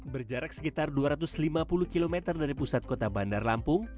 berjarak sekitar dua ratus lima puluh km dari pusat kota bandar lampung